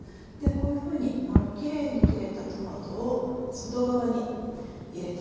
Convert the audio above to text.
こういうふうにきれいに切れたトマトを外側に入れていきますね。